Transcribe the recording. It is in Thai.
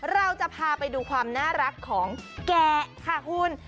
เราจะพาไปดูความน่ารักของแกะค่ะคุณ